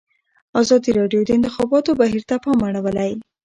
ازادي راډیو د د انتخاباتو بهیر ته پام اړولی.